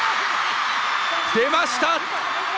出ました！